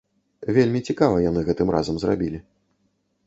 Вельмі цікава яны гэтым разам зрабілі.